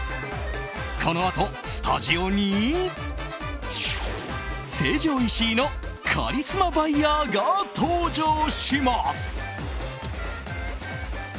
このあとスタジオに成城石井のカリスマバイヤーが登場します。